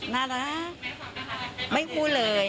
น่ารักไม่พูดเลย